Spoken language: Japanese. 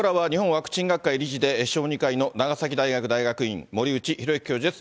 ワクチン学会理事で、小児科医の長崎大学大学院、森内浩幸教授です。